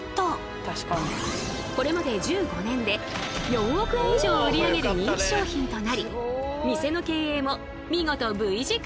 これまで１５年で４億円以上を売り上げる人気商品となり店の経営も見事Ｖ字回復。